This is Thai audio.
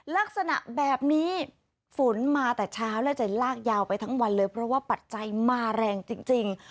ลักษณะแบบนี้ฝนมาแต่เช้าและจะลากยาวไปทั้งวันเลยเพราะว่าปัจจัยมาแรงจริง